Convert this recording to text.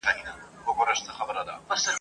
غوړه مړۍ مي د خورکۍ ترستوني نه رسیږي !.